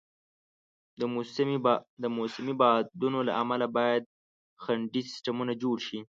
د موسمي بادونو له امله باید خنډي سیستمونه جوړ شي.